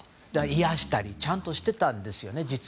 あやしたりちゃんとしてたんですね。